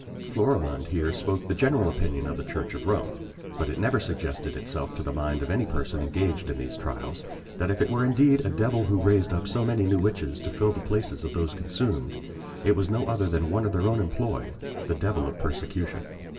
Florimond here spoke the general opinion of the Church of Rome; but it never suggested itself to the mind of any person engaged in these trials, that if it were indeed a devil who raised up so many new witches to fill the places of those consumed, it was no other than one in their own employ the devil of persecution.